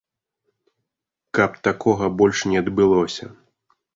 Каб такога больш не адбылося.